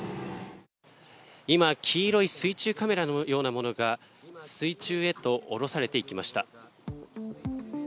今、黄色い水中カメラのようなものが、水中へと下ろされていきました。